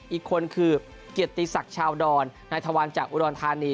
อีกคนคือเกียรติสัครชาวดอนนายทะวานจาก๕๘ทานี